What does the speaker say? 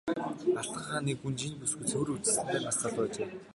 Алтан хааны гүнж энэ бүсгүй цэвэр үзэсгэлэнтэй нас залуу ажээ.